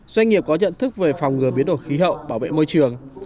doanh nghiệp có nhận thức về phòng ngừa biến đổi khí hậu bảo vệ môi trường